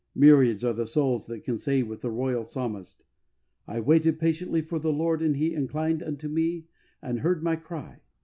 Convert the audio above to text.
Myriads are the souls that can say with the royal Psalmist : "I waited patiently for the Lord, and He inclined unto me and heard my cry.